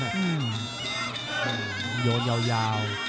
โอ้โหโยนยาว